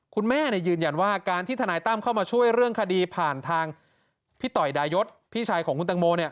ยืนยันว่าการที่ทนายตั้มเข้ามาช่วยเรื่องคดีผ่านทางพี่ต่อยดายศพี่ชายของคุณตังโมเนี่ย